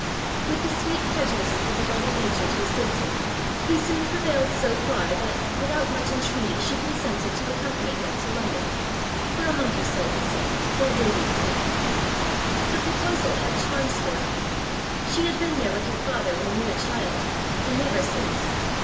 With the sweet prejudices of a loving nature to assist him, he soon prevailed so far that, without much entreaty, she consented to accompany him to London for a month or so, he said, while Davie was gone. The proposal had charms for her: she had been there with her father when a mere child, and never since.